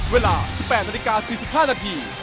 เวลา๑๘นาฬิกา๔๕นาที